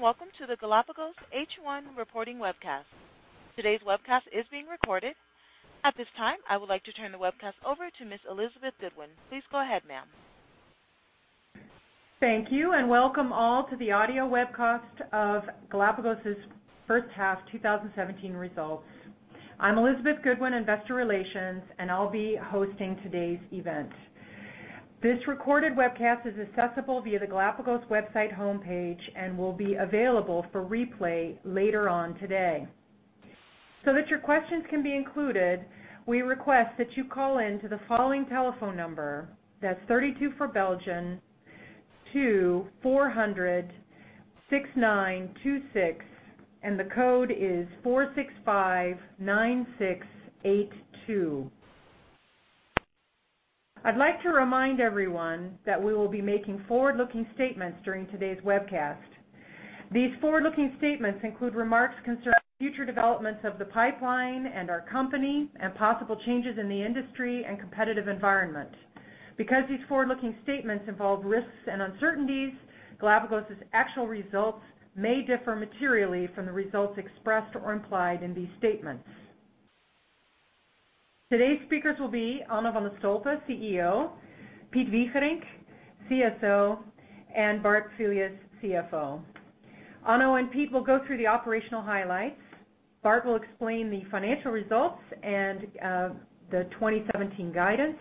Good day, welcome to the Galapagos H1 Reporting Webcast. Today's webcast is being recorded. At this time, I would like to turn the webcast over to Ms. Elizabeth Goodwin. Please go ahead, ma'am. Thank you, welcome all to the audio webcast of Galapagos's first half 2017 results. I'm Elizabeth Goodwin, investor relations, and I'll be hosting today's event. This recorded webcast is accessible via the Galapagos website homepage and will be available for replay later on today. That your questions can be included, we request that you call in to the following telephone number. That's 32 for Belgium, 2-400-6926, and the code is 465-9682. I'd like to remind everyone that we will be making forward-looking statements during today's webcast. These forward-looking statements include remarks concerning future developments of the pipeline and our company and possible changes in the industry and competitive environment. Because these forward-looking statements involve risks and uncertainties, Galapagos's actual results may differ materially from the results expressed or implied in these statements. Today's speakers will be Onno van de Stolpe, CEO; Piet Wigerinck, CSO; and Bart Filius, CFO. Onno and Piet will go through the operational highlights. Bart will explain the financial results and the 2017 guidance.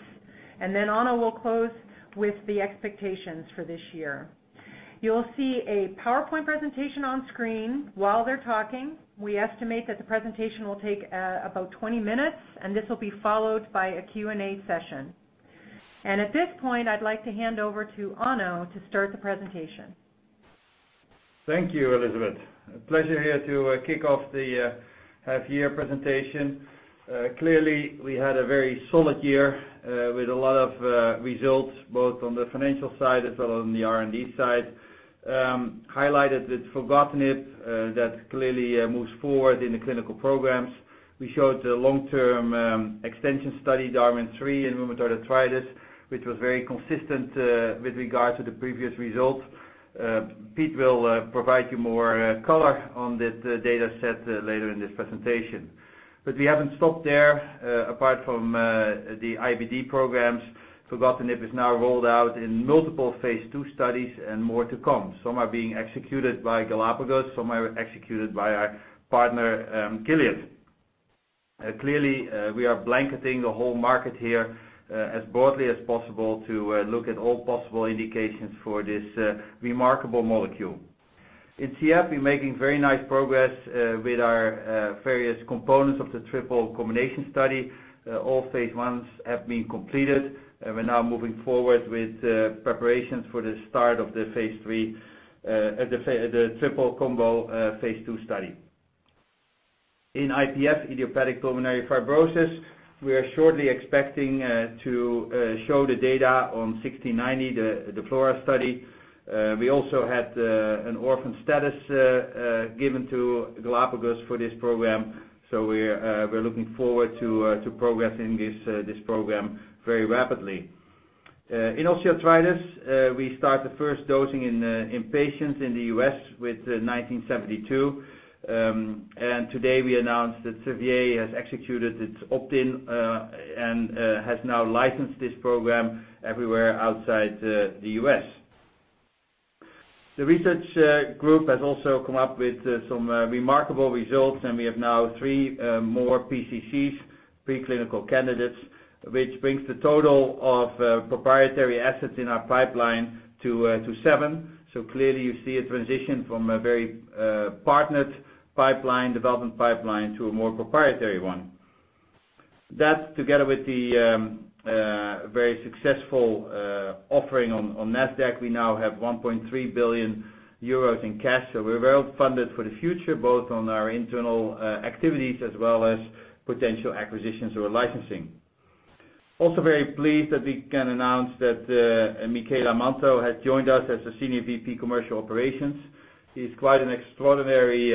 Onno will close with the expectations for this year. You'll see a PowerPoint presentation on screen while they're talking. We estimate that the presentation will take about 20 minutes, and this will be followed by a Q&A session. At this point, I'd like to hand over to Onno to start the presentation. Thank you, Elizabeth. A pleasure here to kick off the half-year presentation. Clearly, we had a very solid year with a lot of results, both on the financial side as well on the R&D side. Highlighted with filgotinib that clearly moves forward in the clinical programs. We showed the long-term extension study, DARWIN 3, in rheumatoid arthritis, which was very consistent with regard to the previous results. Piet will provide you more color on this data set later in this presentation. We haven't stopped there. Apart from the IBD programs, filgotinib is now rolled out in multiple phase II studies and more to come. Some are being executed by Galapagos, some are executed by our partner, Gilead. Clearly, we are blanketing the whole market here as broadly as possible to look at all possible indications for this remarkable molecule. In CF, we're making very nice progress with our various components of the triple combination study. All phase I have been completed. We're now moving forward with preparations for the start of the triple combo phase II study. In IPF, idiopathic pulmonary fibrosis, we are shortly expecting to show the data on 1690, the FLORA study. We also had an orphan status given to Galapagos for this program, so we're looking forward to progressing this program very rapidly. In osteoarthritis, we start the first dosing in patients in the U.S. with 1972. Today we announced that Servier has executed its opt-in and has now licensed this program everywhere outside the U.S. The research group has also come up with some remarkable results. We have now three more PCCs, preclinical candidates, which brings the total of proprietary assets in our pipeline to seven. Clearly you see a transition from a very partnered development pipeline to a more proprietary one. That together with the very successful offering on Nasdaq, we now have 1.3 billion euros in cash. We're well-funded for the future, both on our internal activities as well as potential acquisitions or licensing. Also very pleased that we can announce that Michele Manto has joined us as a Senior VP Commercial Operations. He's quite an extraordinary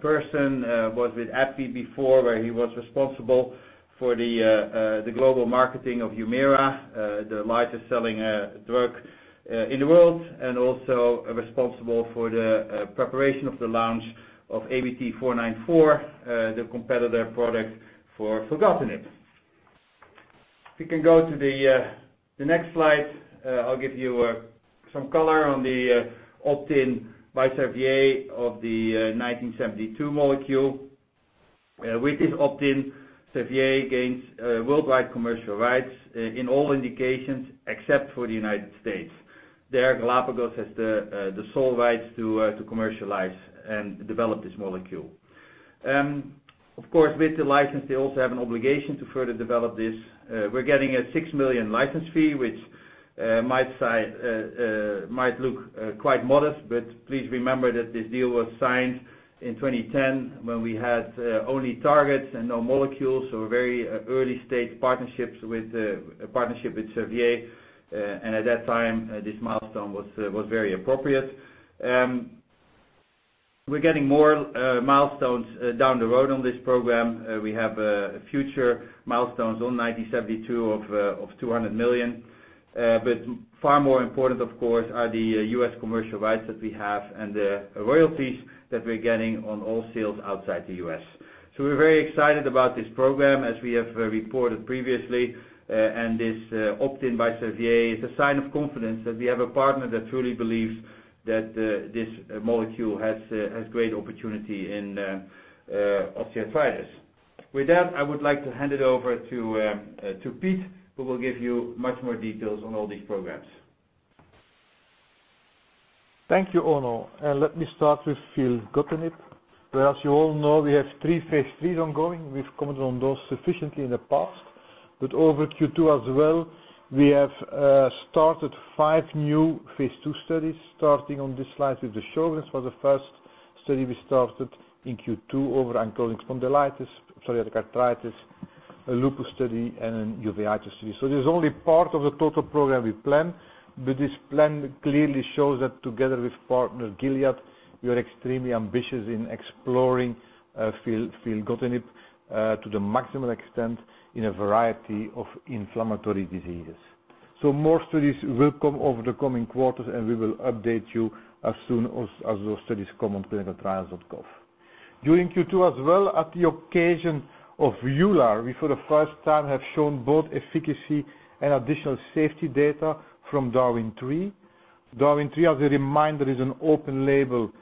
person. Was with AbbVie before where he was responsible for the global marketing of HUMIRA, the largest-selling drug in the world, and also responsible for the preparation of the launch of ABT-494, the competitor product for filgotinib. If you can go to the next slide, I'll give you some color on the opt-in by Servier of the 1972 molecule. With this opt-in, Servier gains worldwide commercial rights in all indications except for the United States. There, Galapagos has the sole rights to commercialize and develop this molecule. Of course, with the license, they also have an obligation to further develop this. We're getting a 6 million license fee, which might look quite modest, but please remember that this deal was signed in 2010 when we had only targets and no molecules, so a very early-stage partnership with Servier. At that time, this milestone was very appropriate. We're getting more milestones down the road on this program. We have future milestones on 1972 of 200 million. Far more important, of course, are the U.S. commercial rights that we have and the royalties that we're getting on all sales outside the U.S. We're very excited about this program, as we have reported previously. This opt-in by Servier is a sign of confidence that we have a partner that truly believes that this molecule has great opportunity in osteoarthritis. With that, I would like to hand it over to Piet, who will give you much more details on all these programs. Thank you, Onno. Let me start with filgotinib, where as you all know, we have three phase III ongoing. We've commented on those sufficiently in the past. But over Q2 as well, we have started five new phase II studies, starting on this slide with the Sjögren's for the first study we started in Q2 over ankylosing spondylitis, psoriatic arthritis, a lupus study, and an uveitis study. This is only part of the total program we plan, but this plan clearly shows that together with partner Gilead, we are extremely ambitious in exploring filgotinib to the maximum extent in a variety of inflammatory diseases. More studies will come over the coming quarters, and we will update you as soon as those studies come on clinicaltrials.gov. During Q2 as well, at the occasion of EULAR, we for the first time have shown both efficacy and additional safety data from DARWIN 3. DARWIN 3, as a reminder, is an open-label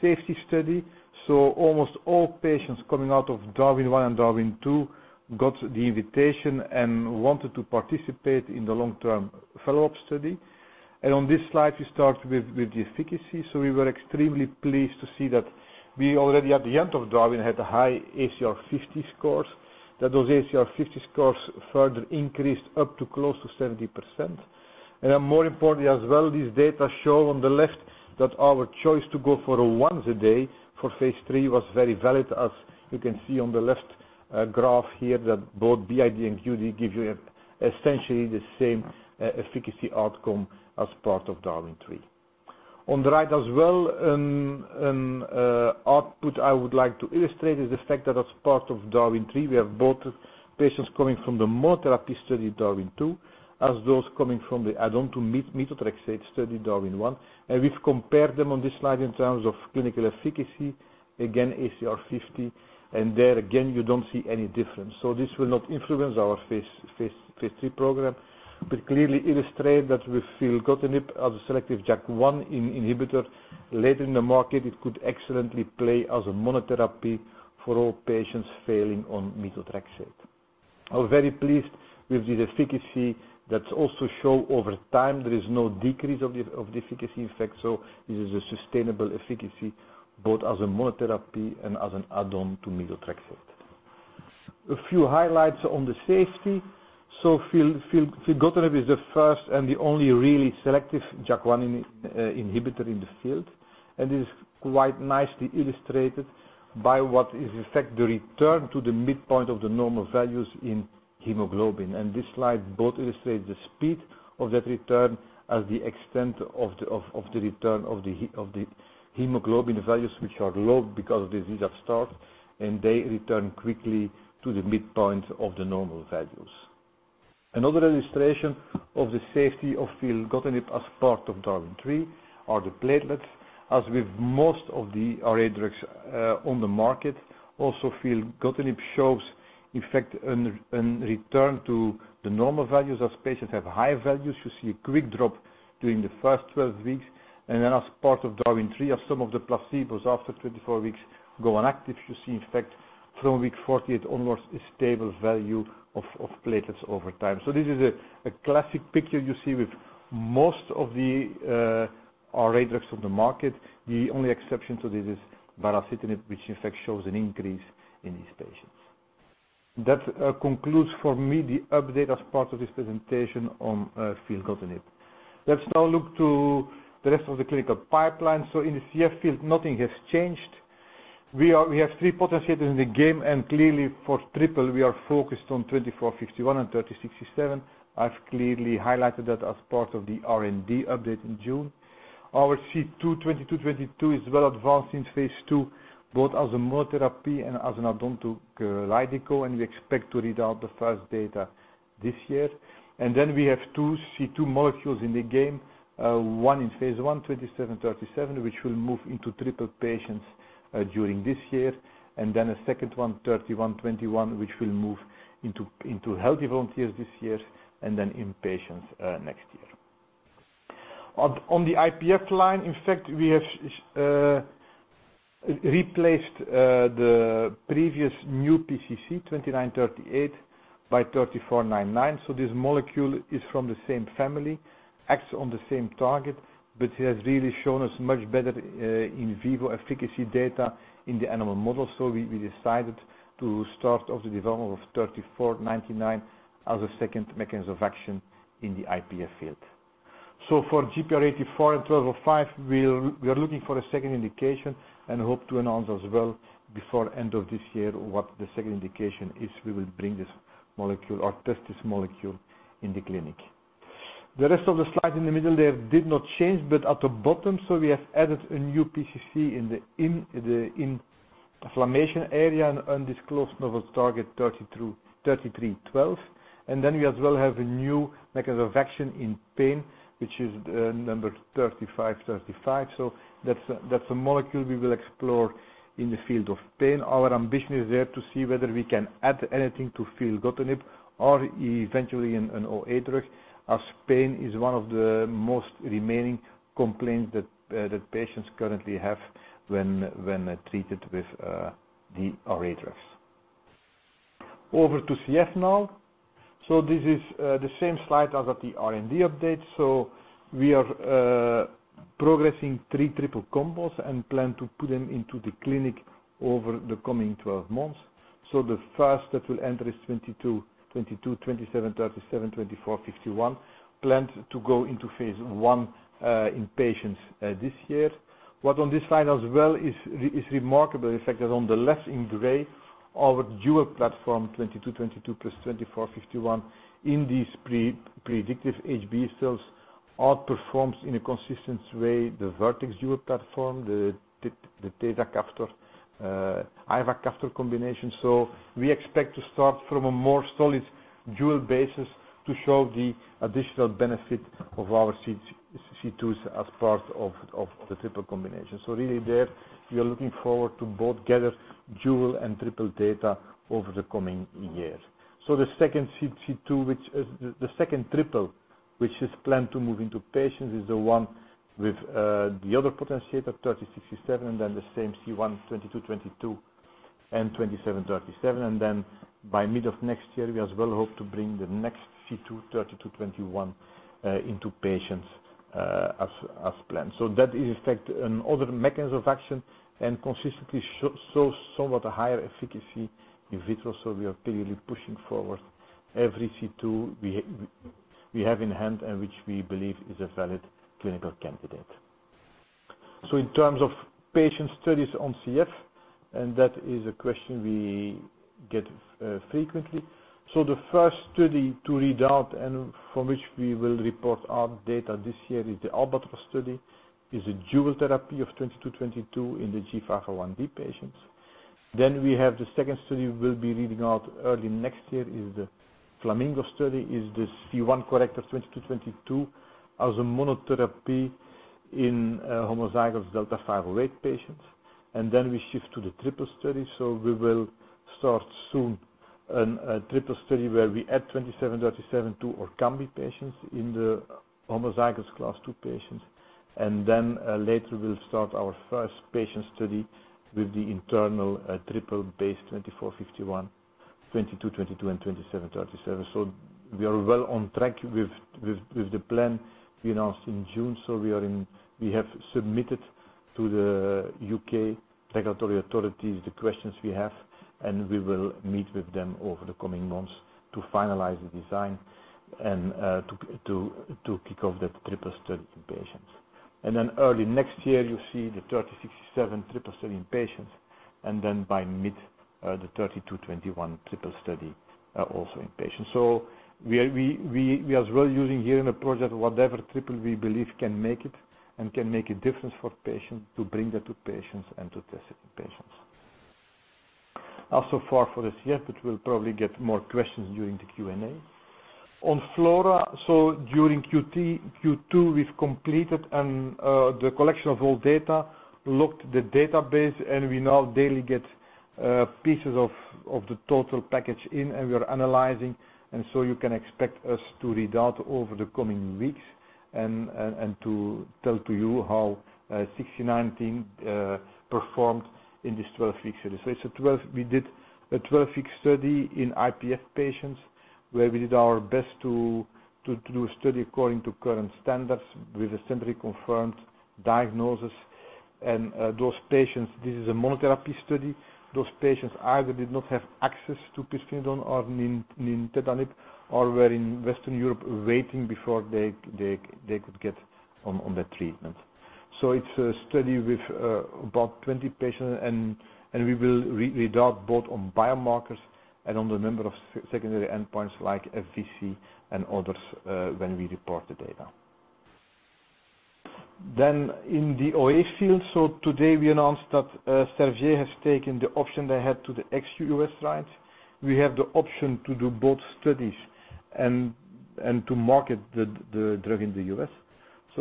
safety study. Almost all patients coming out of DARWIN 1 and DARWIN 2 got the invitation and wanted to participate in the long-term follow-up study. On this slide, we start with the efficacy. We were extremely pleased to see that we already, at the end of DARWIN, had high ACR 50 scores, that those ACR 50 scores further increased up to close to 70%. More importantly as well, these data show on the left that our choice to go for once a day for phase III was very valid, as you can see on the left graph here that both BID and QD give you essentially the same efficacy outcome as part of DARWIN 3. On the right as well, output I would like to illustrate is the fact that as part of DARWIN 3, we have both patients coming from the monotherapy study, DARWIN 2, as those coming from the add-on to methotrexate study, DARWIN 1. We've compared them on this slide in terms of clinical efficacy, again, ACR 50, and there again, you don't see any difference. This will not influence our phase III program, but clearly illustrate that with filgotinib as a selective JAK1 inhibitor, later in the market, it could excellently play as a monotherapy for all patients failing on methotrexate. I'm very pleased with this efficacy that's also show over time there is no decrease of the efficacy effect. This is a sustainable efficacy, both as a monotherapy and as an add-on to methotrexate. A few highlights on the safety. Filgotinib is the first and the only really selective JAK1 inhibitor in the field. It is quite nicely illustrated by what is, in fact, the return to the midpoint of the normal values in hemoglobin. This slide both illustrates the speed of that return as the extent of the return of the hemoglobin values, which are low because of the disease at start, and they return quickly to the midpoint of the normal values. Another illustration of the safety of filgotinib as part of DARWIN 3 are the platelets. As with most of the RA drugs on the market, also filgotinib shows, in fact, an return to the normal values. As patients have high values, you see a quick drop during the first 12 weeks. As part of DARWIN 3, as some of the placebos after 24 weeks go inactive, you see, in fact, from week 48 onwards, a stable value of platelets over time. This is a classic picture you see with most of the RA drugs on the market. The only exception to this is baricitinib, which in fact shows an increase in these patients. That concludes for me the update as part of this presentation on filgotinib. Let's now look to the rest of the clinical pipeline. In the CF field, nothing has changed. We have three potentiators in the game, and clearly for triple we are focused on GLPG2451 and GLPG3067. I've clearly highlighted that as part of the R&D update in June. Our C2 GLPG2222 is well advanced in phase II, both as a monotherapy and as an add-on to ORKAMBI, and we expect to read out the first data this year. We have two C2 molecules in the game, one in phase I, GLPG2737, which will move into triple patients during this year, and then a second one, GLPG3121, which will move into healthy volunteers this year, and then in patients next year. On the IPF line, in fact, we have replaced the previous new PCC, GLPG2938, by GLPG3499. This molecule is from the same family, acts on the same target, but it has really shown us much better in vivo efficacy data in the animal model. We decided to start off the development of GLPG3499 as a second mechanism of action in the IPF field. For GPR84 and GLPG1205, we are looking for a second indication and hope to announce as well before end of this year what the second indication is. We will bring this molecule or test this molecule in the clinic. The rest of the slide in the middle there did not change, but at the bottom, we have added a new PCC in the inflammation area, an undisclosed novel target GLPG3312. We as well have a new mechanism of action in pain, which is number GLPG3535. That's a molecule we will explore in the field of pain. Our ambition is there to see whether we can add anything to filgotinib or eventually an OA drug, as pain is one of the most remaining complaints that patients currently have when treated with the OA drugs. Over to CF now. This is the same slide as at the R&D update. We are progressing three triple combos and plan to put them into the clinic over the coming 12 months. The first that will enter is GLPG2222, GLPG2737, GLPG2451, planned to go into phase I in patients this year. What on this slide as well is remarkably depicted on the left in gray, our dual platform, GLPG2222 plus GLPG2451 in these predictive HBE cells, outperforms in a consistent way the Vertex dual platform, the tezacaftor/ivacaftor combination. We expect to start from a more solid dual basis to show the additional benefit of our C2s as part of the triple combination. Really there, we are looking forward to both gather dual and triple data over the coming year. The second triple which is planned to move into patients is the one with the other potentiator 3067, then the same C1 2222 and 2737. By mid of next year, we as well hope to bring the next C2 3221 into patients as planned. That is in fact another mechanism of action and consistently shows somewhat a higher efficacy in vitro. We are clearly pushing forward every C2 we have in hand and which we believe is a valid clinical candidate. In terms of patient studies on CF, that is a question we get frequently. The first study to read out and from which we will report our data this year is the ALBATROSS study. Is a dual therapy of 2222 in the G551D patients. We have the second study we'll be reading out early next year is the FLAMINGO study. Is the C1 corrector 2222 as a monotherapy in homozygous delta F508 patients. We shift to the triple study. We will start soon a triple study where we add 2737 to ORKAMBI patients in the homozygous Class 2 patients. Later we'll start our first patient study with the internal triple base 2451, 2222 and 2737. We are well on track with the plan we announced in June. We have submitted to the U.K. regulatory authorities the questions we have, we will meet with them over the coming months to finalize the design and to kick off that triple study in patients. Early next year, you see the 3067 triple study in patients, then by mid, the 3221 triple study also in patients. We as well using here in the project, whatever triple we believe can make it and can make a difference for patients to bring that to patients and to test it in patients. That's so far for this year, but we'll probably get more questions during the Q&A. On FLORA, during Q2, we've completed the collection of all data, locked the database, we now daily get pieces of the total package in, and we are analyzing. You can expect us to read out over the coming weeks and to tell to you how GLPG1690 performed in this 12-week study. We did a 12-week study in IPF patients, where we did our best to do a study according to current standards with a centrally confirmed diagnosis. Those patients, this is a monotherapy study. Those patients either did not have access to pirfenidone or nintedanib or were in Western Europe waiting before they could get on the treatment. It's a study with about 20 patients, we will read out both on biomarkers and on the number of secondary endpoints like FVC and others when we report the data. In the OA field. Today we announced that Servier has taken the option they had to the ex-U.S. rights. We have the option to do both studies and to market the drug in the U.S.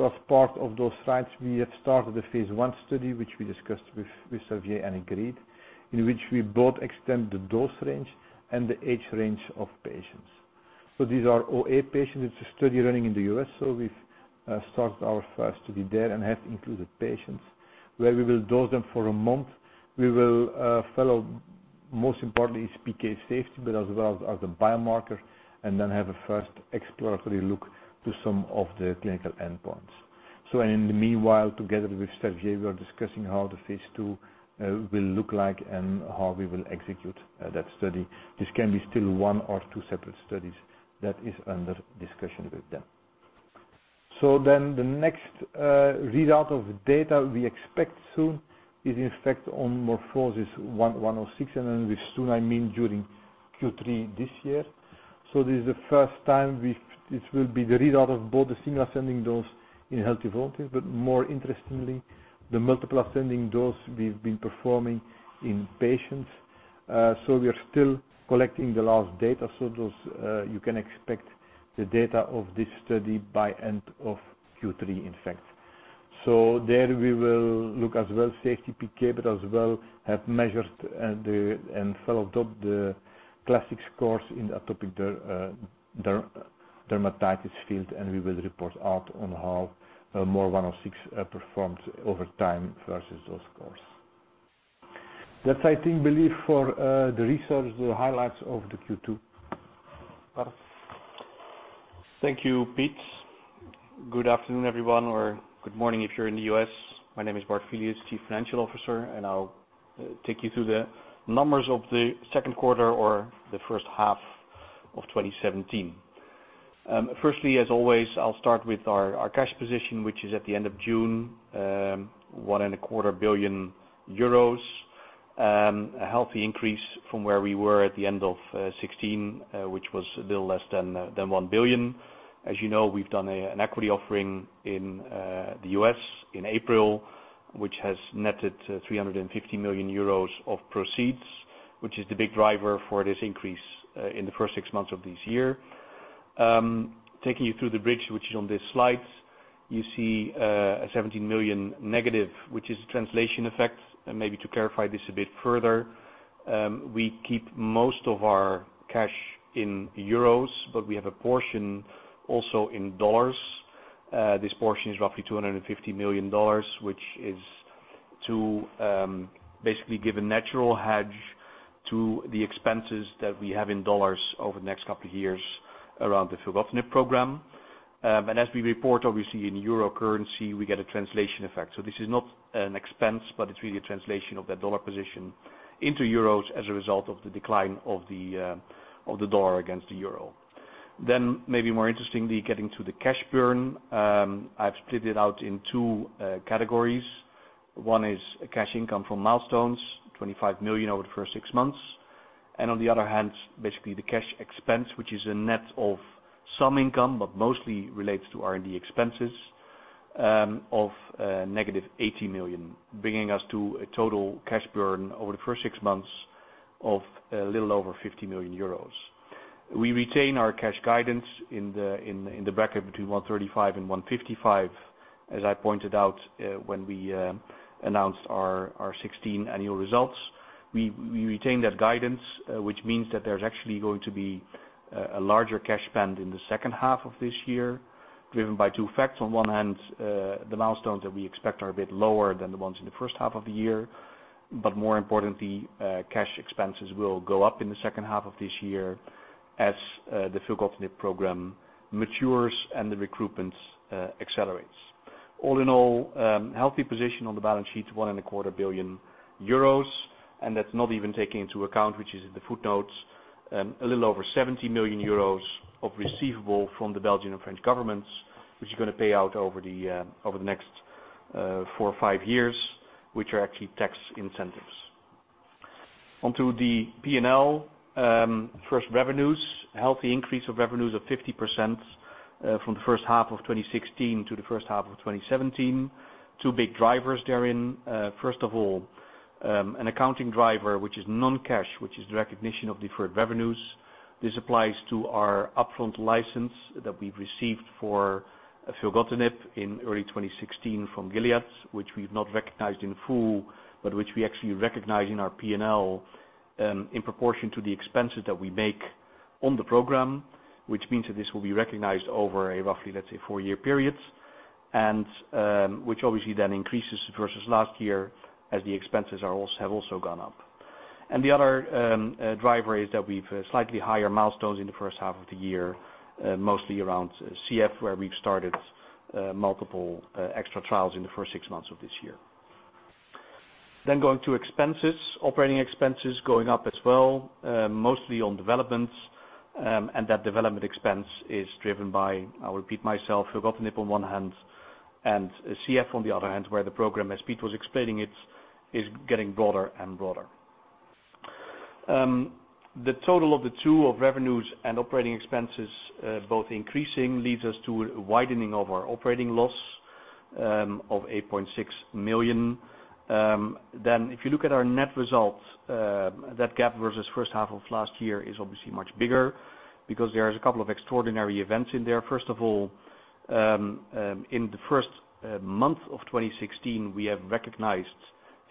As part of those rights, we have started the phase I study, which we discussed with Servier and agreed, in which we both extend the dose range and the age range of patients. These are OA patients. We've started our first study there and have included patients where we will dose them for a month. We will follow, most importantly, PK safety, but as well as the biomarker, and then have a first exploratory look to some of the clinical endpoints. In the meanwhile, together with Servier, we are discussing how the phase II will look like and how we will execute that study. This can be still one or two separate studies. That is under discussion with them. The next readout of data we expect soon is in fact on MOR106, and with soon, I mean during Q3 this year. This is the first time it will be the readout of both the single ascending dose in healthy volunteers, but more interestingly, the multiple ascending dose we've been performing in patients. We are still collecting the last data, you can expect the data of this study by end of Q3, in fact. There we will look as well safety PK, but as well have measured and followed up the classic scores in atopic dermatitis field, and we will report out on how MOR106 performed over time versus those scores. That's, I think, for the research, the highlights of the Q2. Bart. Thank you, Piet. Good afternoon, everyone, or good morning if you're in the U.S. My name is Bart Filius, Chief Financial Officer, and I'll take you through the numbers of the second quarter or the first half of 2017. Firstly, as always, I'll start with our cash position, which is at the end of June, 1.25 billion euros, a healthy increase from where we were at the end of 2016, which was a little less than 1 billion. As you know, we've done an equity offering in the U.S. in April, which has netted 350 million euros of proceeds, which is the big driver for this increase in the first six months of this year. Taking you through the bridge, which is on this slide. You see a 17 million negative, which is a translation effect. Maybe to clarify this a bit further, we keep most of our cash in euros, but we have a portion also in dollars. This portion is roughly $250 million, which is to basically give a natural hedge to the expenses that we have in dollars over the next couple of years around the filgotinib program. As we report, obviously, in euro currency, we get a translation effect. This is not an expense, but it's really a translation of that dollar position into euros as a result of the decline of the dollar against the euro. Maybe more interestingly, getting to the cash burn. I've split it out in two categories. One is cash income from milestones, 25 million over the first six months. On the other hand, basically the cash expense, which is a net of some income, but mostly relates to R&D expenses of a negative 80 million, bringing us to a total cash burn over the first six months of a little over 50 million euros. We retain our cash guidance in the bracket between 135 million and 155 million, as I pointed out when we announced our 2016 annual results. We retain that guidance, which means that there's actually going to be a larger cash spend in the second half of this year, driven by two facts. On one hand, the milestones that we expect are a bit lower than the ones in the first half of the year, but more importantly, cash expenses will go up in the second half of this year as the filgotinib program matures and the recruitments accelerates. All in all, healthy position on the balance sheet, 1.25 billion euros, and that's not even taking into account, which is in the footnotes, a little over 70 million euros of receivable from the Belgian and French governments, which are going to pay out over the next four or five years, which are actually tax incentives. Onto the P&L. First revenues, healthy increase of revenues of 50% from the first half of 2016 to the first half of 2017. Two big drivers therein. First of all, an accounting driver, which is non-cash, which is the recognition of deferred revenues. This applies to our upfront license that we've received for filgotinib in early 2016 from Gilead, which we've not recognized in full, but which we actually recognize in our P&L in proportion to the expenses that we make on the program, which means that this will be recognized over a, roughly, let's say, four-year period, and which obviously increases versus last year as the expenses have also gone up. The other driver is that we've slightly higher milestones in the first half of the year, mostly around CF, where we've started multiple extra trials in the first six months of this year. Going to expenses, operating expenses going up as well, mostly on developments. That development expense is driven by, I'll repeat myself, filgotinib on one hand and CF on the other hand, where the program, as Piet was explaining it, is getting broader and broader. The total of the two of revenues and operating expenses both increasing leads us to a widening of our operating loss of 8.6 million. If you look at our net results, that gap versus first half of last year is obviously much bigger because there's a couple of extraordinary events in there. First of all, in the first month of 2016, we have recognized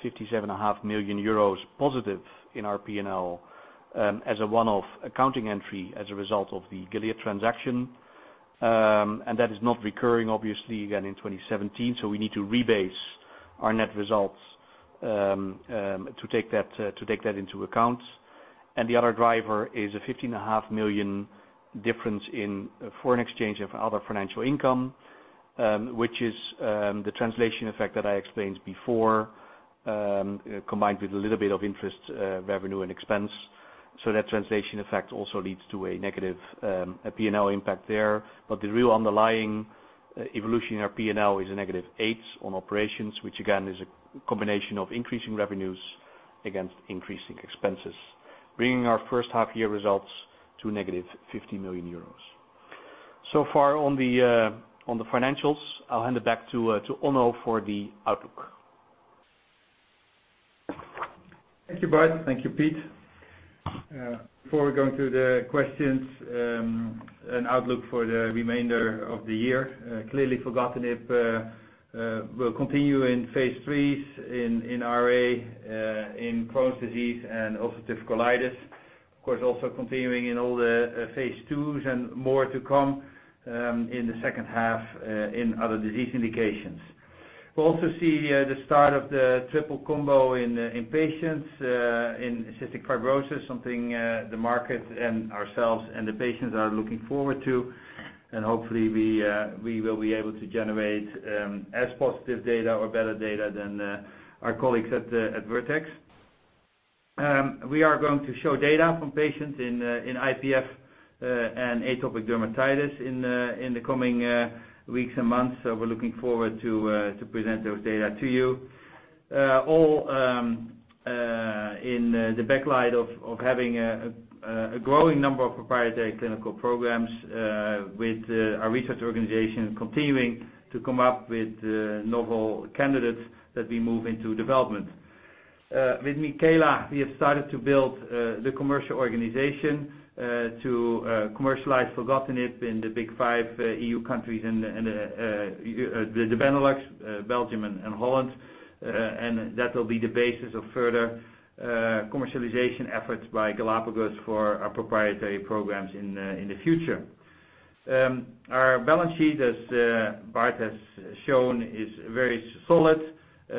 57.5 million euros positive in our P&L as a one-off accounting entry as a result of the Gilead transaction. That is not recurring, obviously, again in 2017, so we need to rebase our net results to take that into account. The other driver is a 15.5 million difference in foreign exchange of other financial income, which is the translation effect that I explained before, combined with a little bit of interest revenue and expense. That translation effect also leads to a negative P&L impact there. The real underlying evolution in our P&L is a negative 8 on operations, which again, is a combination of increasing revenues against increasing expenses, bringing our first half year results to negative 50 million euros. Far on the financials. I'll hand it back to Onno for the outlook. Thank you, Bart. Thank you, Piet. Before we go into the questions, an outlook for the remainder of the year. Clearly, filgotinib will continue in phase III, in RA, in Crohn's disease, and ulcerative colitis. Of course, also continuing in all the phase II and more to come in the second half in other disease indications. We'll also see the start of the triple combo in patients in cystic fibrosis, something the market and ourselves and the patients are looking forward to. Hopefully, we will be able to generate as positive data or better data than our colleagues at Vertex. We are going to show data from patients in IPF and atopic dermatitis in the coming weeks and months. We're looking forward to present those data to you. All in the backlight of having a growing number of proprietary clinical programs with our research organization continuing to come up with novel candidates that we move into development. With Michele, we have started to build the commercial organization to commercialize filgotinib in the big five EU countries and the Benelux, Belgium and Holland. That will be the basis of further commercialization efforts by Galapagos for our proprietary programs in the future. Our balance sheet, as Bart has shown, is very solid.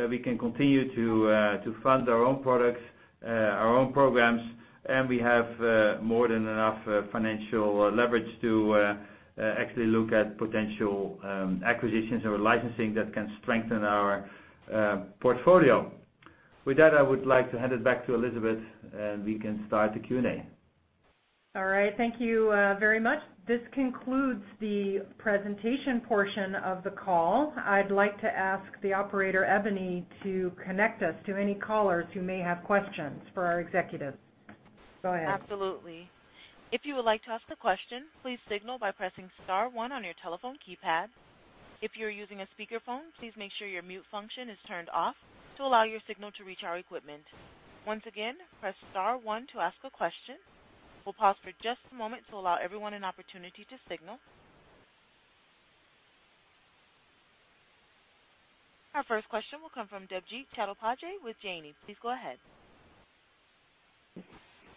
We can continue to fund our own products, our own programs, and we have more than enough financial leverage to actually look at potential acquisitions or licensing that can strengthen our portfolio. With that, I would like to hand it back to Elizabeth, and we can start the Q&A. All right. Thank you very much. This concludes the presentation portion of the call. I'd like to ask the operator, Ebony, to connect us to any callers who may have questions for our executives. Go ahead. Absolutely. If you would like to ask a question, please signal by pressing star one on your telephone keypad. If you're using a speakerphone, please make sure your mute function is turned off to allow your signal to reach our equipment. Once again, press star one to ask a question. We'll pause for just a moment to allow everyone an opportunity to signal. Our first question will come from Debjit Chattopadhyay with Janney. Please go ahead.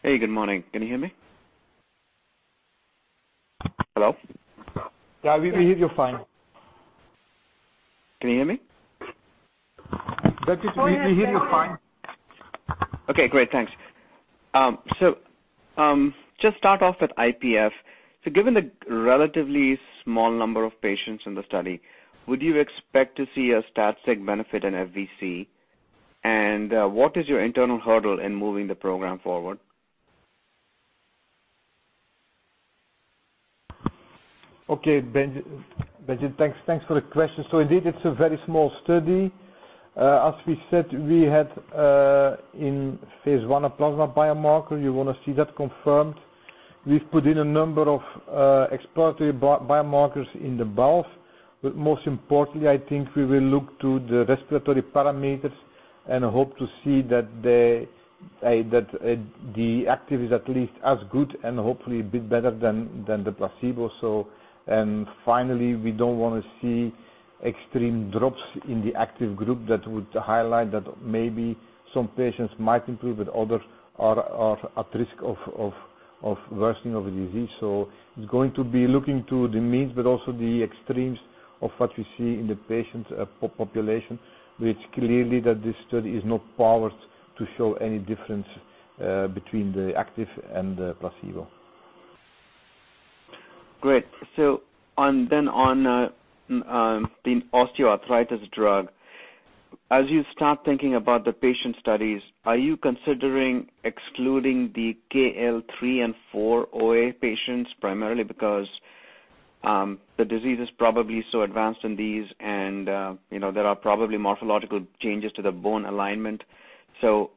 Hey, good morning. Can you hear me? Hello? Yeah, we hear you fine. Can you hear me? Debjit, we hear you fine. Great. Thanks. Just start off at IPF. Given the relatively small number of patients in the study, would you expect to see a stat sig benefit in FVC? And what is your internal hurdle in moving the program forward? Debjit, thanks for the question. Indeed, it's a very small study. As we said, we had in phase I, a plasma biomarker. You want to see that confirmed. We've put in a number of exploratory biomarkers in the BALF, but most importantly, I think we will look to the respiratory parameters and hope to see that the active is at least as good and hopefully a bit better than the placebo. And finally, we don't want to see extreme drops in the active group that would highlight that maybe some patients might improve, but others are at risk of worsening of the disease. It's going to be looking to the means, but also the extremes of what we see in the patient population, which clearly that this study is not powered to show any difference between the active and the placebo. Great. On the osteoarthritis drug, as you start thinking about the patient studies, are you considering excluding the KL 3 and 4 OA patients primarily because the disease is probably so advanced in these and there are probably morphological changes to the bone alignment, so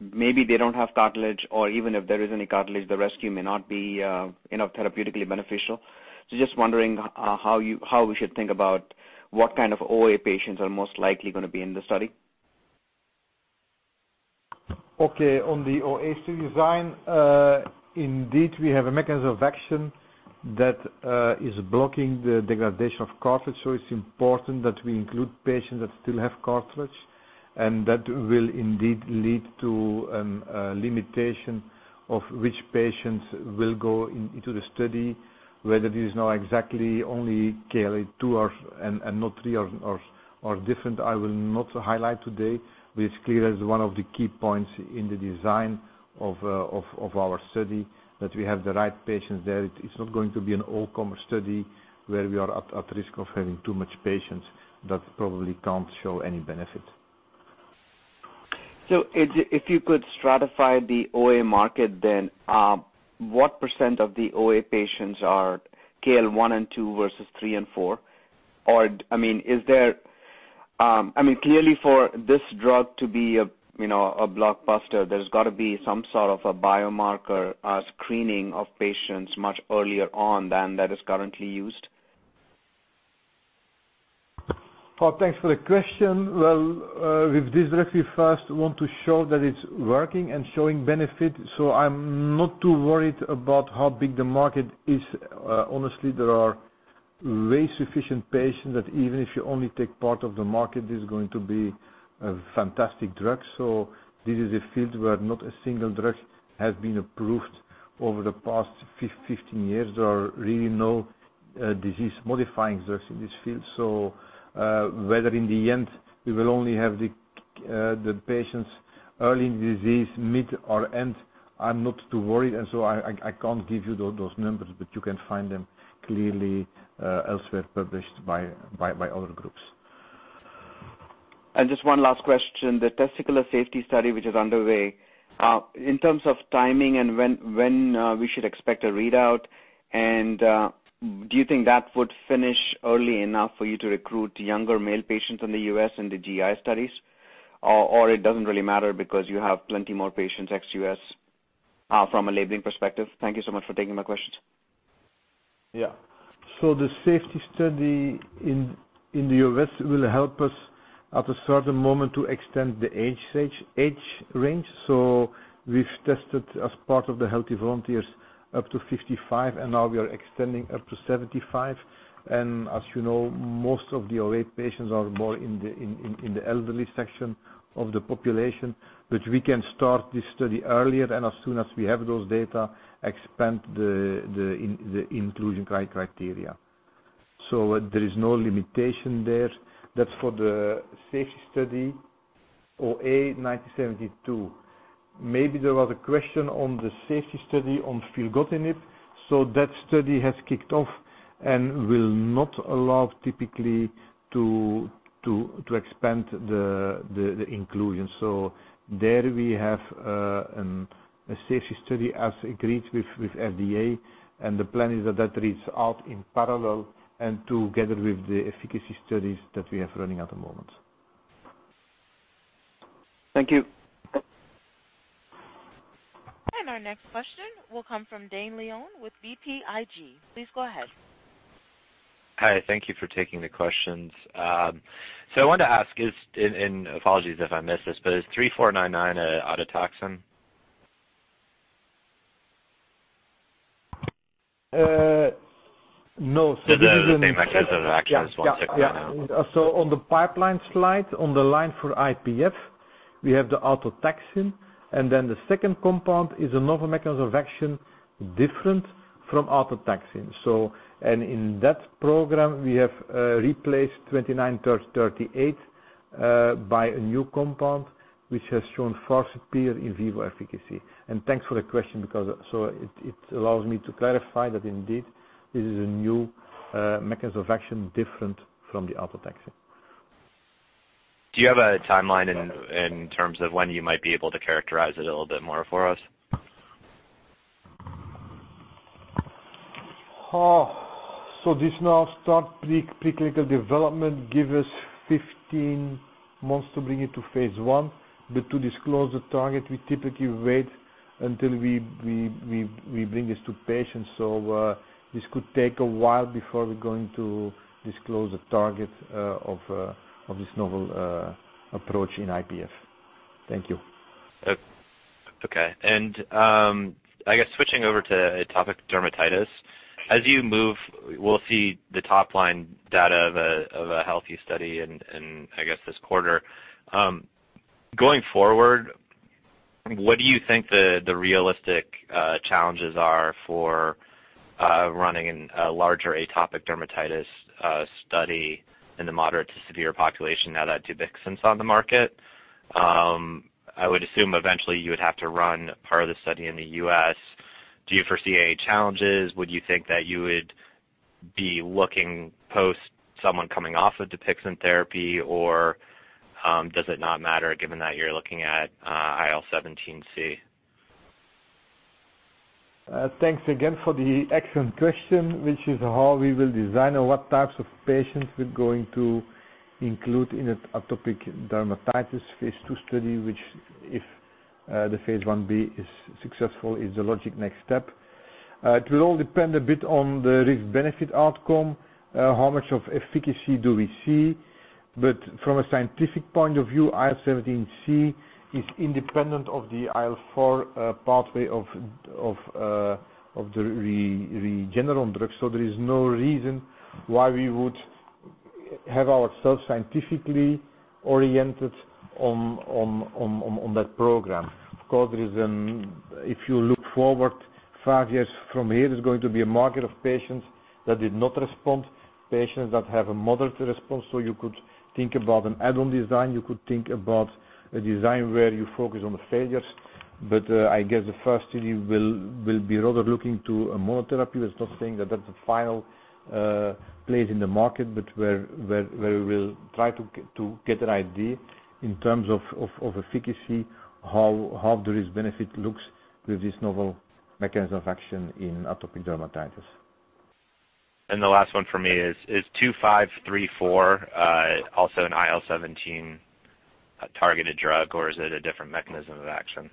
maybe they don't have cartilage or even if there is any cartilage, the rescue may not be enough therapeutically beneficial. Just wondering how we should think about what kind of OA patients are most likely going to be in the study. On the OA study design, indeed, we have a mechanism of action that is blocking the degradation of cartilage. It's important that we include patients that still have cartilage, and that will indeed lead to a limitation of which patients will go into the study. Whether it is now exactly only KL 2 and not 3 or different, I will not highlight today, but it's clear as one of the key points in the design of our study that we have the right patients there. It's not going to be an all-comer study where we are at risk of having too much patients that probably can't show any benefit. If you could stratify the OA market, then what percent of the OA patients are scale 1 and 2 versus 3 and 4? Clearly, for this drug to be a blockbuster, there's got to be some sort of a biomarker screening of patients much earlier on than that is currently used. Debjit, thanks for the question. Well, with this drug, we first want to show that it's working and showing benefit. I'm not too worried about how big the market is. Honestly, there are way sufficient patients that even if you only take part of the market, it's going to be a fantastic drug. This is a field where not a single drug has been approved over the past 15 years. There are really no disease-modifying drugs in this field. Whether in the end we will only have the patients early in disease, mid, or end, I'm not too worried. I can't give you those numbers, but you can find them clearly elsewhere, published by other groups. Just one last question. The testicular safety study, which is underway, in terms of timing and when we should expect a readout. Do you think that would finish early enough for you to recruit younger male patients in the U.S. in the GI studies? It doesn't really matter because you have plenty more patients ex-U.S. from a labeling perspective. Thank you so much for taking my questions. The safety study in the U.S. will help us at a certain moment to extend the age range. We have tested as part of the healthy volunteers up to 55, and now we are extending up to 75. As you know, most of the OA patients are more in the elderly section of the population. We can start this study earlier, and as soon as we have those data, expand the inclusion criteria. There is no limitation there. That is for the safety study, OA-9072. Maybe there was a question on the safety study on filgotinib. That study has kicked off and will not allow typically to expand the inclusion. There we have a safety study as agreed with FDA. The plan is that reads out in parallel and together with the efficacy studies that we have running at the moment. Thank you. Our next question will come from Dameon with BPIG. Please go ahead. Hi. Thank you for taking the questions. I wanted to ask, and apologies if I missed this, is GLPG3499 an autotaxin? No. This is. The same mechanism of action as GLPG1690. Yeah. On the pipeline slide, on the line for IPF, we have the autotaxin, and then the second compound is a novel mechanism of action different from autotaxin. In that program, we have replaced GLPG2938 by a new compound, which has shown far superior in vivo efficacy. Thanks for the question, because it allows me to clarify that indeed, this is a new mechanism of action different from the autotaxin. Do you have a timeline in terms of when you might be able to characterize it a little bit more for us? This now start preclinical development, give us 15 months to bring it to phase I. To disclose the target, we typically wait until we bring this to patients. This could take a while before we're going to disclose a target of this novel approach in IPF. Thank you. Okay. I guess switching over to atopic dermatitis. As you move, we'll see the top-line data of a healthy study in, I guess, this quarter. Going forward, what do you think the realistic challenges are for running a larger atopic dermatitis study in the moderate to severe population now that Dupixent's on the market? I would assume eventually you would have to run part of the study in the U.S. Do you foresee any challenges? Would you think that you would be looking post someone coming off of Dupixent therapy, or does it not matter given that you're looking at IL-17C? Thanks again for the excellent question, which is how we will design or what types of patients we're going to include in atopic dermatitis phase II study, which, if the phase I-B is successful, is the logic next step. It will all depend a bit on the risk-benefit outcome, how much efficacy do we see. From a scientific point of view, IL-17C is independent of the IL-4 pathway of the Regeneron drug. There is no reason why we would have ourselves scientifically oriented on that program. Of course, if you look forward five years from here, there's going to be a market of patients that did not respond, patients that have a moderate response. You could think about an add-on design. You could think about a design where you focus on the failures. I guess the first study will be rather looking to a monotherapy. That's not saying that that's the final place in the market, but where we'll try to get an idea in terms of efficacy, how the risk-benefit looks with this novel mechanism of action in atopic dermatitis. The last one for me is GLPG2534 also an IL-17 targeted drug, or is it a different mechanism of action?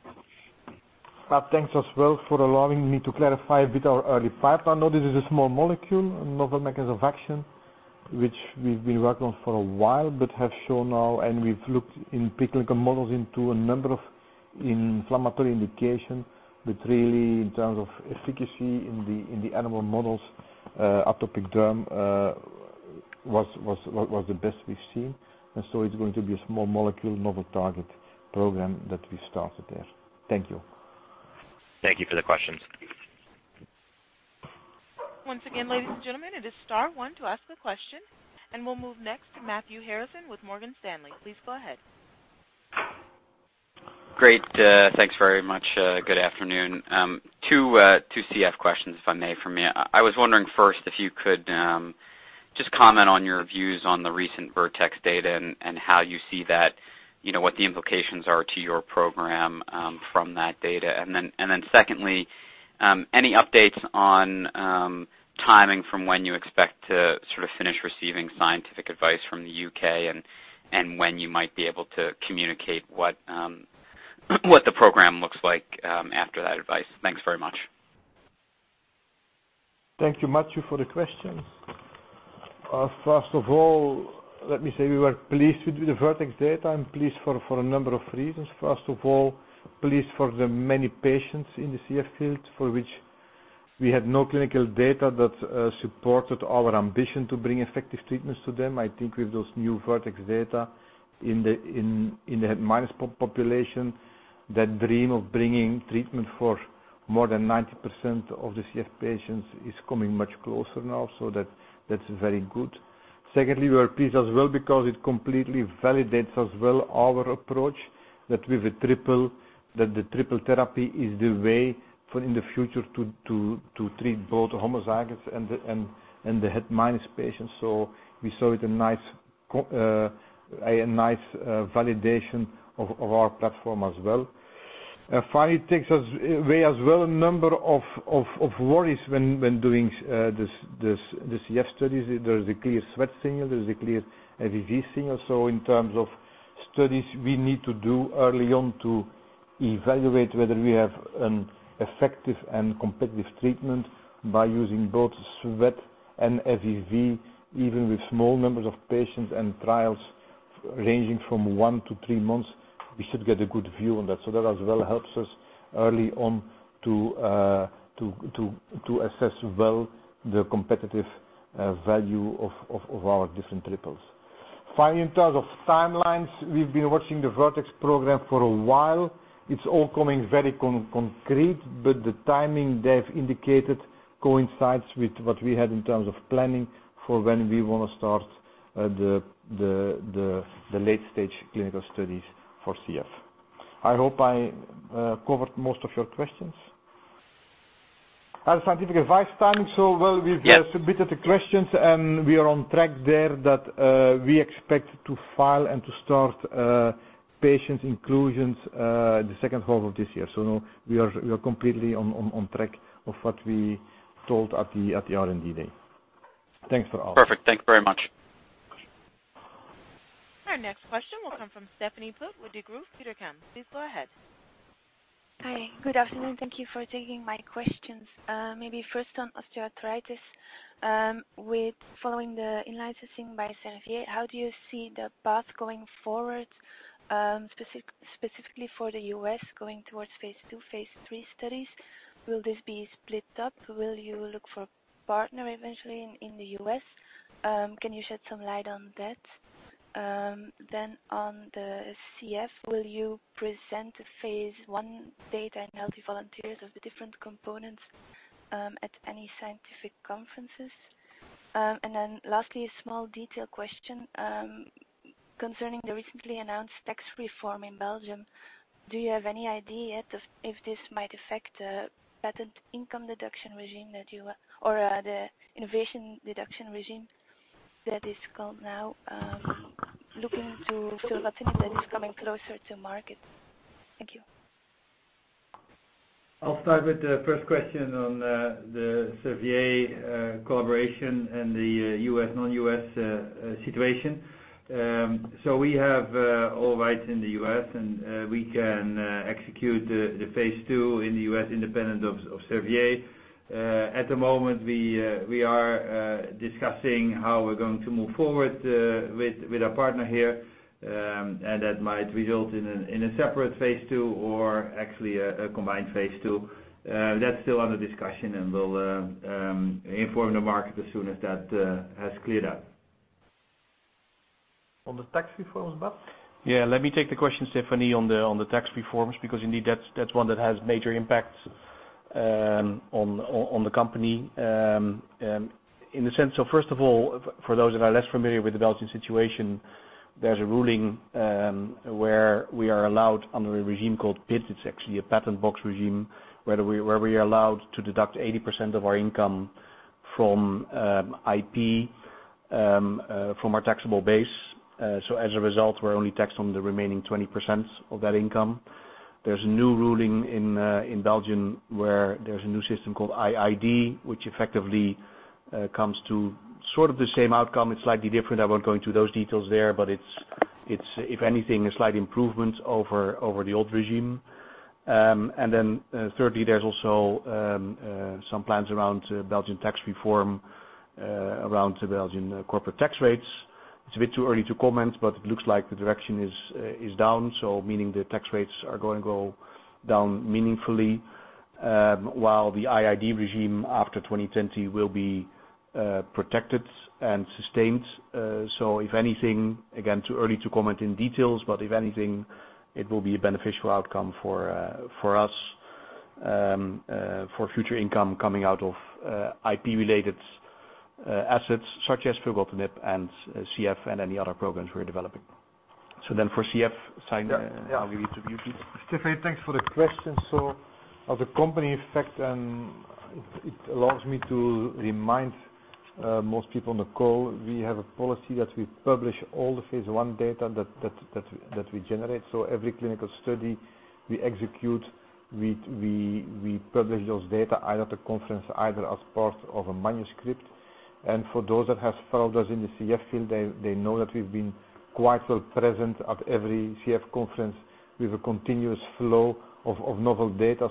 Bart, thanks as well for allowing me to clarify a bit our early pipeline. This is a small molecule, a novel mechanism of action, which we've been working on for a while, but have shown now, and we've looked in preclinical models into a number of inflammatory indication. Really, in terms of efficacy in the animal models, atopic derm was the best we've seen. So it's going to be a small molecule, novel target program that we started there. Thank you. Thank you for the questions. Once again, ladies and gentlemen, it is star one to ask the question, and we'll move next to Matthew Harrison with Morgan Stanley. Please go ahead. Great. Thanks very much. Good afternoon. 2 CF questions, if I may, from me. I was wondering first if you could just comment on your views on the recent Vertex data and how you see that. What the implications are to your program from that data. Secondly, any updates on timing from when you expect to sort of finish receiving scientific advice from the U.K. and when you might be able to communicate what the program looks like after that advice. Thanks very much. Thank you, Matthew, for the questions. First of all, let me say we were pleased with the Vertex data. I'm pleased for a number of reasons. First of all, pleased for the many patients in the CF field for which we had no clinical data that supported our ambition to bring effective treatments to them. I think with those new Vertex data in the het/min population, that dream of bringing treatment for more than 90% of the CF patients is coming much closer now. That's very good. Secondly, we are pleased as well because it completely validates as well our approach that the triple therapy is the way for in the future to treat both homozygous and the het/min patients. We saw it a nice validation of our platform as well. Finally, it takes us way as well a number of worries when doing the CF studies. There is a clear sweat signal. There is a clear FEV signal. In terms of studies we need to do early on to evaluate whether we have an effective and competitive treatment by using both sweat and FEV, even with small numbers of patients and trials ranging from 1-3 months, we should get a good view on that. That as well helps us early on to assess well the competitive value of our different triples. Finally, in terms of timelines, we've been watching the Vertex program for a while. It's all coming very concrete, but the timing they've indicated coincides with what we had in terms of planning for when we want to start the late-stage clinical studies for CF. I hope I covered most of your questions. Our scientific advice timing, Yes We've submitted the questions. We are on track there that we expect to file and to start patient inclusions the second half of this year. No, we are completely on track of what we told at the R&D day. Thanks for asking. Perfect. Thank you very much. Our next question will come from Stéphanie Put with Degroof Petercam. Please go ahead. Hi. Good afternoon. Thank you for taking my questions. First on osteoarthritis, with following the in-licensing by Servier, how do you see the path going forward, specifically for the U.S. going towards phase II, phase III studies? Will this be split up? Will you look for a partner eventually in the U.S.? Can you shed some light on that? On the CF, will you present the phase I data in healthy volunteers of the different components at any scientific conferences? Lastly, a small detail question concerning the recently announced tax reform in Belgium. Do you have any idea if this might affect the patent income deduction regime or the innovation deduction regime that is called now? Thank you. I'll start with the first question on the Servier collaboration and the U.S./non-U.S. situation. We have all rights in the U.S. We can execute the phase II in the U.S. independent of Servier. At the moment, we are discussing how we're going to move forward with our partner here. That might result in a separate phase II or actually a combined phase II. That's still under discussion. We'll inform the market as soon as that has cleared up. On the tax reforms, Bart Filius? Yeah, let me take the question, Stéphanie, on the tax reforms, because indeed that's one that has major impacts On the company. First of all, for those that are less familiar with the Belgian situation, there's a ruling where we are allowed under a regime called PID. It's actually a patent box regime, where we are allowed to deduct 80% of our income from IP, from our taxable base. As a result, we're only taxed on the remaining 20% of that income. There's a new ruling in Belgium, where there's a new system called IID, which effectively comes to sort of the same outcome. It's slightly different. I won't go into those details there, but it's, if anything, a slight improvement over the old regime. Thirdly, there's also some plans around Belgian tax reform, around Belgian corporate tax rates. It's a bit too early to comment, but it looks like the direction is down, meaning the tax rates are going to go down meaningfully. While the IID regime after 2020 will be protected and sustained. If anything, again, too early to comment in details, but if anything, it will be a beneficial outcome for us, for future income coming out of IP-related assets such as filgotinib and CF and any other programs we're developing. For CF, Piet Wigerinck, I'll leave it to you, please. Stephanie, thanks for the question. As a company fact, and it allows me to remind most people on the call, we have a policy that we publish all the phase I data that we generate. Every clinical study we execute, we publish those data either at a conference, either as part of a manuscript. For those that have followed us in the CF field, they know that we've been quite well present at every CF conference. We have a continuous flow of novel data.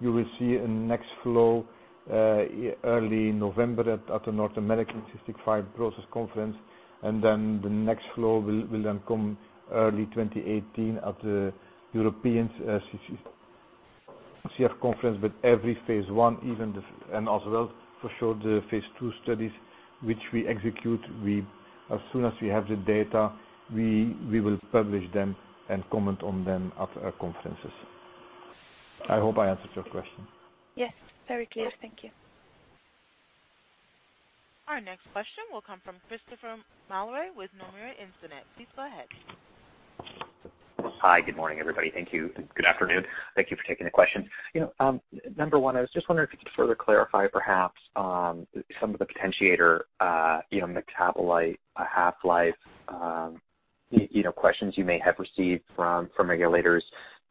You will see a next flow early November at the North American Cystic Fibrosis Conference, and then the next flow will then come early 2018 at the European CF Conference. Every phase I, and as well for sure, the phase II studies which we execute, as soon as we have the data, we will publish them and comment on them at our conferences. I hope I answered your question. Yes, very clear. Thank you. Our next question will come from Christopher Marai with Nomura Instinet. Please go ahead. Hi. Good morning, everybody. Thank you. Good afternoon. Thank you for taking the question. Number 1, I was just wondering if you could further clarify perhaps some of the potentiator metabolite half-life questions you may have received from regulators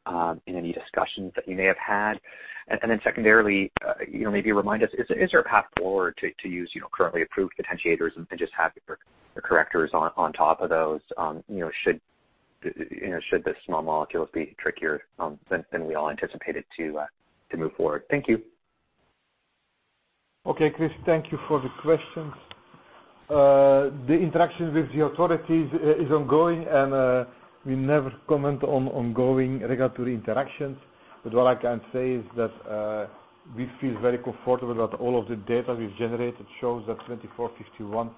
in any discussions that you may have had. Secondarily, maybe remind us, is there a path forward to use currently approved potentiators and just have your correctors on top of those should the small molecules be trickier than we all anticipated to move forward? Thank you. Okay, Chris. Thank you for the questions. The interaction with the authorities is ongoing, we never comment on ongoing regulatory interactions. What I can say is that we feel very comfortable that all of the data we've generated shows that GLPG2451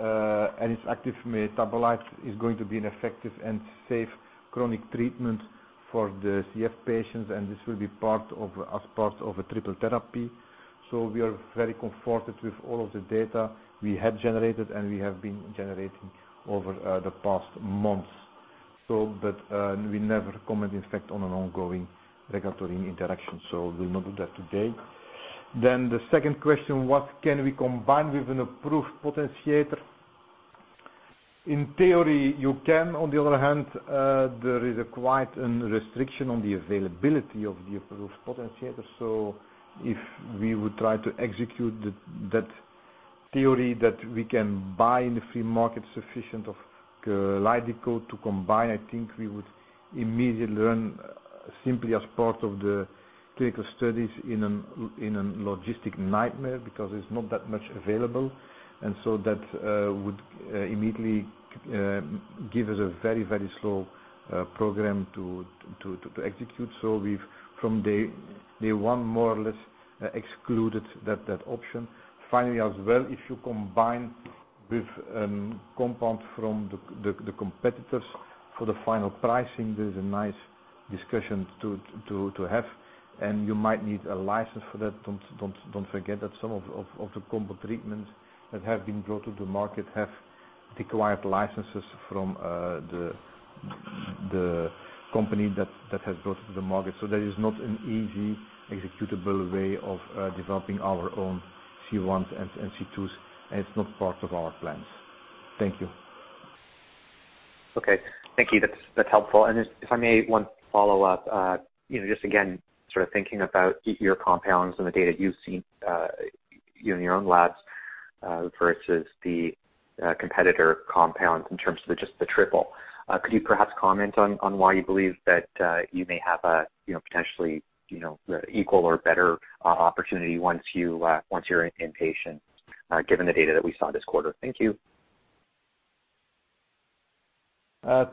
and its active metabolite is going to be an effective and safe chronic treatment for the CF patients, and this will be as part of a triple therapy. We are very comforted with all of the data we had generated and we have been generating over the past months. We never comment, in fact, on an ongoing regulatory interaction. We'll not do that today. The second question, what can we combine with an approved potentiator? In theory, you can. The other hand, there is quite a restriction on the availability of the approved potentiator. If we would try to execute that theory that we can buy in the free market sufficient of Kalydeco to combine, I think we would immediately run simply as part of the clinical studies in a logistic nightmare because there's not that much available. That would immediately give us a very slow program to execute. We've, from day 1, more or less excluded that option. Finally, as well, if you combine with compound from the competitors for the final pricing, there is a nice discussion to have, and you might need a license for that. Don't forget that some of the combo treatments that have been brought to the market have required licenses from the company that has brought it to the market. There is not an easy executable way of developing our own C1s and C2s, and it's not part of our plans. Thank you. Okay. Thank you. That's helpful. If I may, one follow-up. Just again, sort of thinking about your compounds and the data you've seen in your own labs versus the competitor compounds in terms of just the triple. Could you perhaps comment on why you believe that you may have a potentially equal or better opportunity once you're in patient given the data that we saw this quarter? Thank you.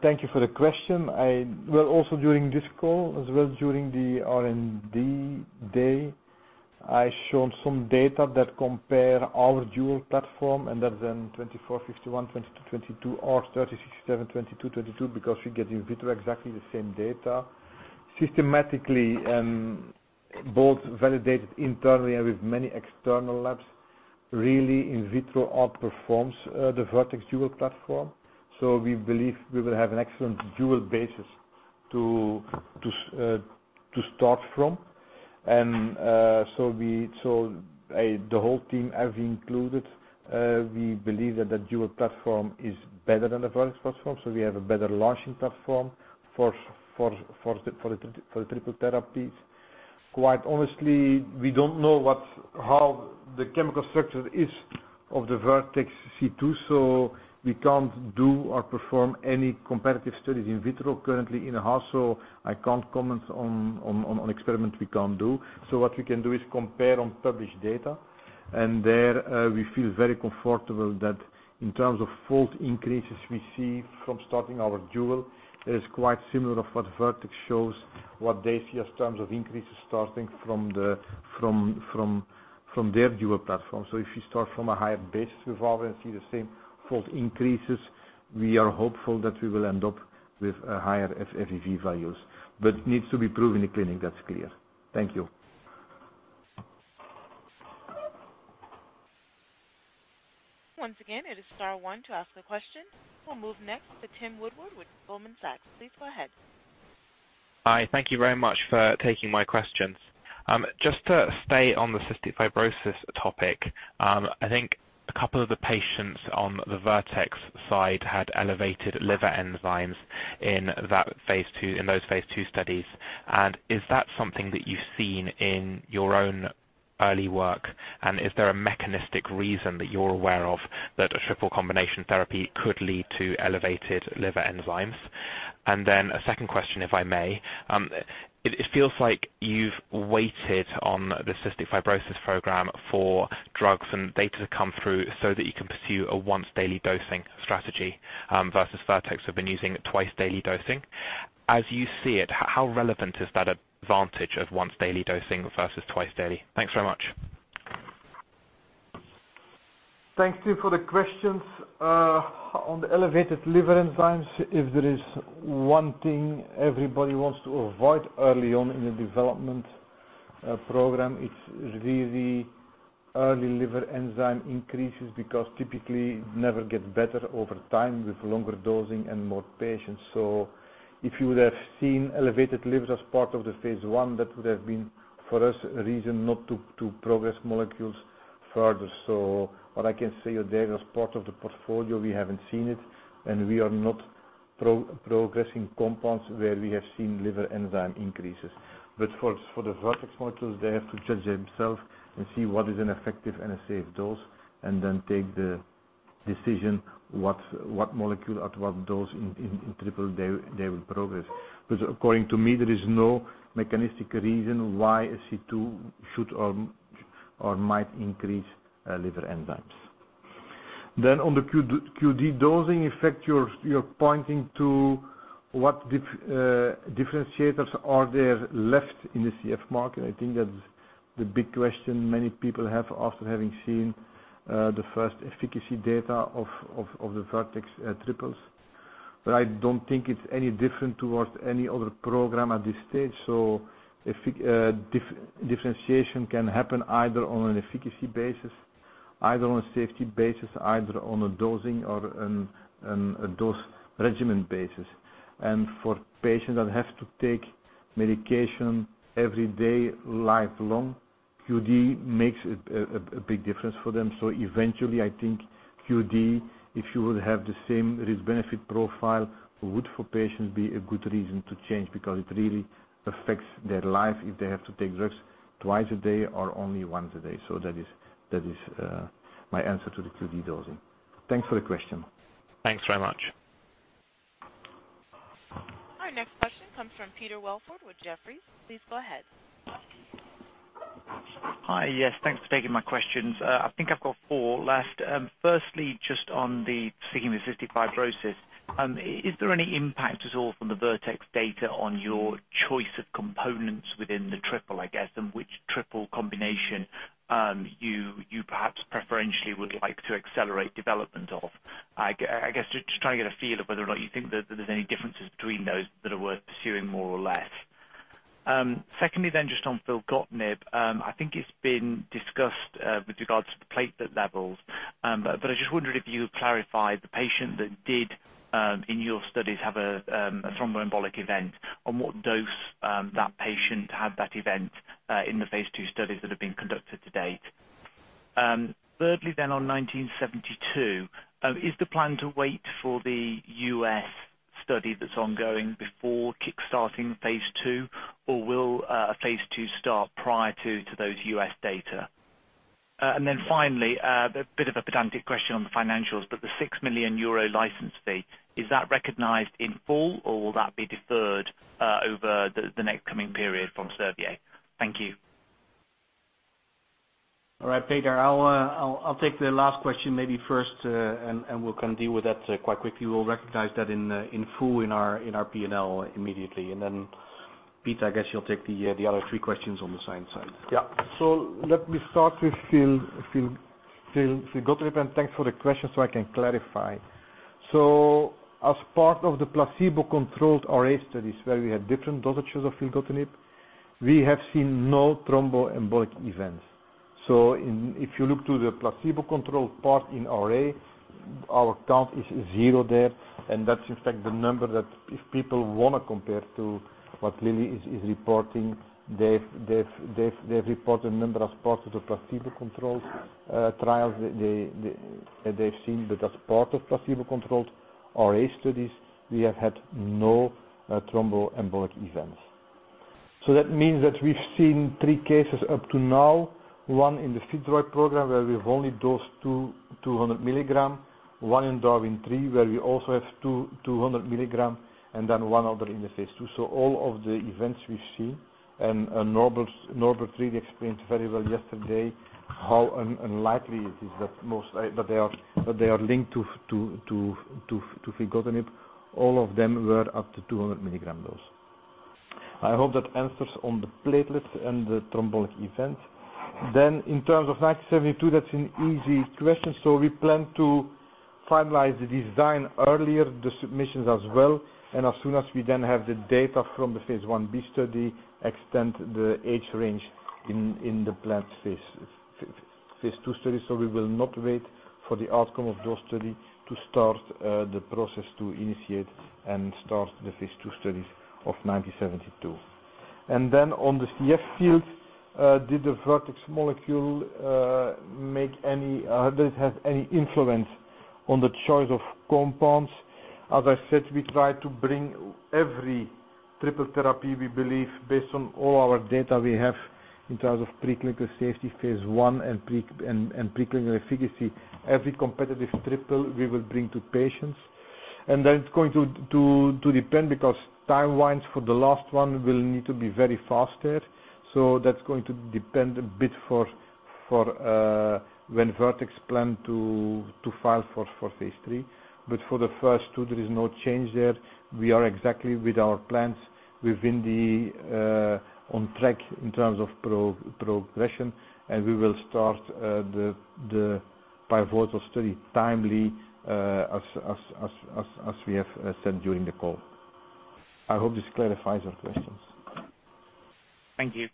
Thank you for the question. During this call, as well as during the R&D day I shown some data that compare our dual platform and that then 2451-2222 or 3672222 because we get in vitro exactly the same data. Systematically both validated internally and with many external labs, really in vitro outperforms the Vertex dual platform. We believe we will have an excellent dual basis to start from. The whole team have included, we believe that the dual platform is better than the Vertex platform. We have a better launching platform for the triple therapies. Quite honestly, we don't know how the chemical structure is of the Vertex C2, so we can't do or perform any competitive studies in vitro currently in-house. I can't comment on experiment we can't do. What we can do is compare on published data, there, we feel very comfortable that in terms of fold increases we see from starting our dual is quite similar of what Vertex shows, what they see as terms of increases starting from their dual platform. If you start from a higher base, we will obviously see the same fold increases. We are hopeful that we will end up with higher FEV values, but it needs to be proven in clinic. That's clear. Thank you. Once again, it is star one to ask a question. We'll move next to Tim Wood with Goldman Sachs. Please go ahead. Hi. Thank you very much for taking my questions. Just to stay on the cystic fibrosis topic. I think a couple of the patients on the Vertex side had elevated liver enzymes in those phase II studies. Is that something that you've seen in your own early work, and is there a mechanistic reason that you're aware of that a triple combination therapy could lead to elevated liver enzymes? A second question, if I may. It feels like you've waited on the cystic fibrosis program for drugs and data to come through so that you can pursue a once-daily dosing strategy. Versus Vertex have been using twice-daily dosing. As you see it, how relevant is that advantage of once-daily dosing versus twice daily? Thanks very much. Thanks, Tim, for the questions. On the elevated liver enzymes, if there is one thing everybody wants to avoid early on in the development program, it's really early liver enzyme increases because typically never gets better over time with longer dosing and more patients. If you would have seen elevated liver as part of the phase I, that would have been for us a reason not to progress molecules further. What I can say there as part of the portfolio, we haven't seen it, and we are not progressing compounds where we have seen liver enzyme increases. For the Vertex molecules, they have to judge themselves and see what is an effective and a safe dose and then take the decision what molecule at what dose in triple they will progress. According to me, there is no mechanistic reason why a C2 should or might increase liver enzymes. On the QD dosing effect, you're pointing to what differentiators are there left in the CF market. I think that's the big question many people have after having seen the first efficacy data of the Vertex triples. I don't think it's any different towards any other program at this stage. Differentiation can happen either on an efficacy basis, either on a safety basis, either on a dosing or on a dose regimen basis. For patients that have to take medication every day, lifelong, QD makes a big difference for them. Eventually, I think QD, if you would have the same risk-benefit profile, would for patients be a good reason to change because it really affects their life if they have to take drugs twice a day or only once a day. That is my answer to the QD dosing. Thanks for the question. Thanks very much. Our next question comes from Peter Welford with Jefferies. Please go ahead. Hi. Yes, thanks for taking my questions. I think I've got four left. Firstly, just on the, sticking with cystic fibrosis. Is there any impact at all from the Vertex data on your choice of components within the triple, I guess, and which triple combination you perhaps preferentially would like to accelerate development of? I guess just trying to get a feel of whether or not you think that there's any differences between those that are worth pursuing more or less. Secondly just on filgotinib, I think it's been discussed with regards to the platelet levels. But I just wondered if you could clarify the patient that did in your studies have a thromboembolic event. On what dose that patient had that event in the phase II studies that have been conducted to date. Thirdly on 1972. Is the plan to wait for the U.S. study that's ongoing before kick-starting phase II, or will a phase II start prior to those U.S. data? Finally, a bit of a pedantic question on the financials, but the 6 million euro license fee, is that recognized in full or will that be deferred over the next coming period from Servier? Thank you. All right, Peter, I'll take the last question maybe first, we can deal with that quite quickly. We'll recognize that in full in our P&L immediately. Then, Piet, I guess you'll take the other three questions on the science side. Yeah. Let me start with Phil. Phil Nadeau, thanks for the question so I can clarify. As part of the placebo-controlled array studies where we had different dosages of filgotinib, we have seen no thromboembolic events. If you look to the placebo-controlled part in array, our count is zero there, that's in fact the number that if people want to compare to what Eli Lilly and Company is reporting, they've reported a number as part of the placebo-controlled trials. They've seen that as part of placebo-controlled array studies, we have had no thromboembolic events. That means that we've seen three cases up to now, one in the fibroid program where we've only dosed 200 mg, one in DARWIN 3 where we also have 200 mg, then one other in the phase II. All of the events we've seen, Norbert really explained very well yesterday how unlikely it is that they are linked to filgotinib. All of them were up to 200 mg dose. I hope that answers on the platelet and the thromboembolic event. In terms of GLPG1972, that's an easy question. We plan to finalize the design earlier, the submissions as well, as soon as we then have the data from the phase I-B study, extend the age range in the planned phase II study. We will not wait for the outcome of those study to start the process to initiate and start the phase II studies of GLPG1972. On the CF field, did the Vertex Pharmaceuticals molecule have any influence on the choice of compounds? As I said, we try to bring every triple therapy we believe based on all our data we have in terms of preclinical safety, phase I, and preclinical efficacy. Every competitive triple we will bring to patients. It's going to depend because timelines for the last one will need to be very fast there. That's going to depend a bit for when Vertex Pharmaceuticals plan to file for phase III. For the first two, there is no change there. We are exactly with our plans within the on track in terms of progression, we will start the pivotal study timely as we have said during the call. I hope this clarifies your questions. Thank you.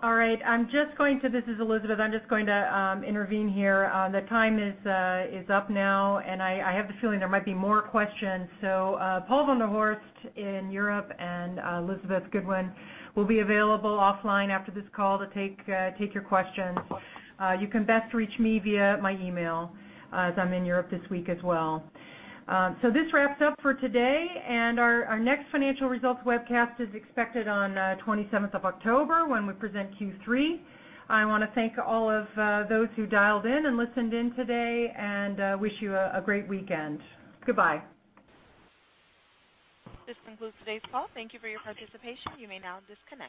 All right. This is Elizabeth. I'm just going to intervene here. The time is up now, and I have the feeling there might be more questions. Paul van de Vusse in Europe and Elizabeth Goodwin will be available offline after this call to take your questions. You can best reach me via my email as I'm in Europe this week as well. This wraps up for today, and our next financial results webcast is expected on 27th of October when we present Q3. I want to thank all of those who dialed in and listened in today and wish you a great weekend. Goodbye. This concludes today's call. Thank you for your participation. You may now disconnect.